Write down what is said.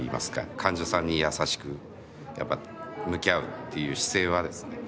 患者さんに優しくやっぱり向き合うっていう姿勢はですね